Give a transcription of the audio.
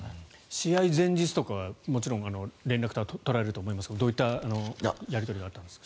試合前日とかはもちろん連絡とか取られると思いますがどういったやり取りがあったんですか？